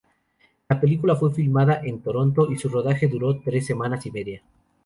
La película fue filmada en Toronto y su rodaje duró tres semanas y media.